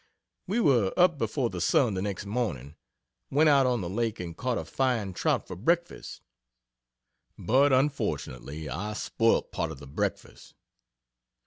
We were up before the sun the next morning, went out on the Lake and caught a fine trout for breakfast. But unfortunately, I spoilt part of the breakfast.